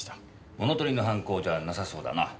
物盗りの犯行じゃなさそうだな。